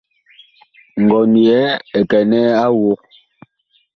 Ngɔn yɛɛ ɛ kɛnɛɛ a awug.